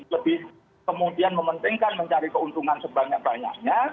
lebih kemudian mementingkan mencari keuntungan sebanyak banyaknya